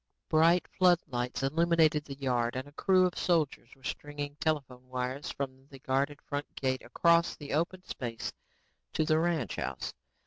Bright floodlights illuminated the yard and a crew of soldiers were stringing telephone wires from the guarded front gate across the open space to the ranch house.